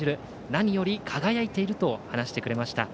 何より輝いていると話してくれました。